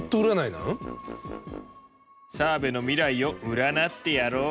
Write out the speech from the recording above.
澤部の未来を占ってやろう。